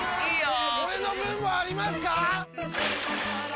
俺の分もありますか！？